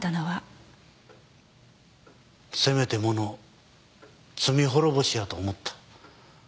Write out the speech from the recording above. せめてもの罪滅ぼしやと思った。